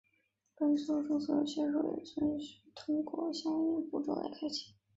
本作中所有仙术也均需要通过使用相应符咒来开启。